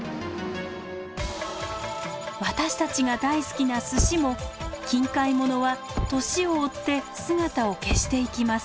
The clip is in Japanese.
私たちが大好きな寿司も近海ものは年を追って姿を消していきます。